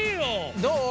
どう？